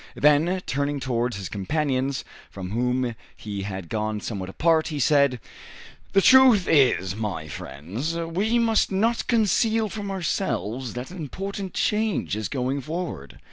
Then, turning towards his companions, from whom he had gone somewhat apart, he said, "The truth is, my friends, we must not conceal from ourselves that an important change is going forward.